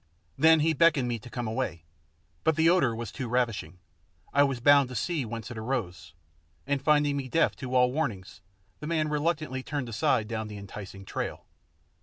Then he beckoned me to come away. But the odour was too ravishing, I was bound to see whence it arose, and finding me deaf to all warnings, the man reluctantly turned aside down the enticing trail.